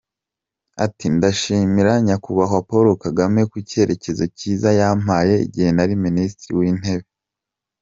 Ati :”Ndashimira Nyakubahwa Paul Kagame ku cyerekezo cyiza yampaye igihe nari Minisitiri w’Intebe.